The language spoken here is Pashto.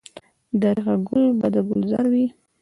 درېغه ګل به د ګلزار وي.